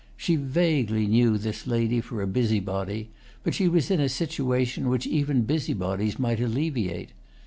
She vaguely knew this lady for a busybody, but she was in a situation which even busybodies might alleviate.